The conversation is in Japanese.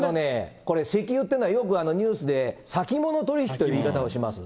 これ、石油というのは、よくニュースで先物取引という言い方をします。